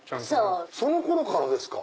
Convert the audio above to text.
その頃からですか⁉